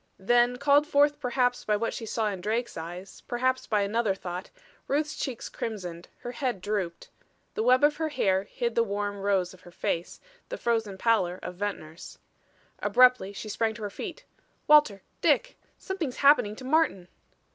Then called forth perhaps by what she saw in Drake's eyes, perhaps by another thought, Ruth's cheeks crimsoned, her head drooped; the web of her hair hid the warm rose of her face, the frozen pallor of Ventnor's. Abruptly, she sprang to her feet. "Walter! Dick! Something's happening to Martin!"